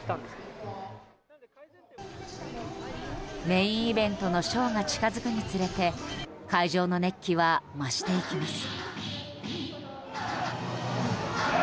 メインイベントのショーが近づくにつれて会場の熱気は増していきます。